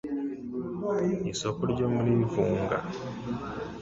isoko ryo muri Vunga.